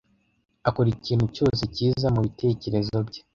Akora ikintu cyose kiza mubitekerezo bye.